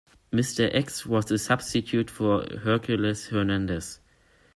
Mr. X was a substitute for Hercules Hernandez.